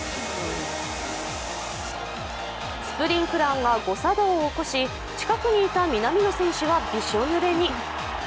スプリンクラーが誤作動を起こし、近くにいた、南野選手はびしょぬれに。